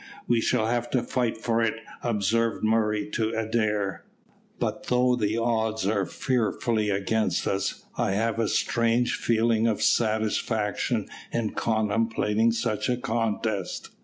"We shall have to fight for it," observed Murray to Adair; "but though the odds are fearfully against us, I have a strange feeling of satisfaction in contemplating such a contest.